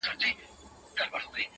مُلا مي په زر ځله له احواله دی پوښتلی،